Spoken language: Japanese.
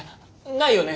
ないよね？